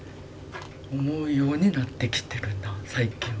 思うようになってきてるな最近は。